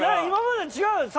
今までと違う！